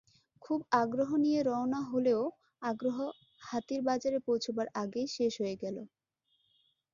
খুব আগ্রহ নিয়ে রওনা হলেও আগ্রহ হাতির বাজারে পৌঁছবার আগেই শেষ হয়ে গেল।